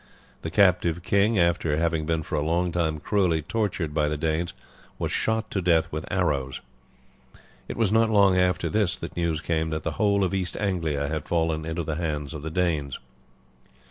The captive king, after having been for a long time cruelly tortured by the Danes, was shot to death with arrows. It was not long after this that news came that the whole of East Anglia had fallen into the hands of the Danes.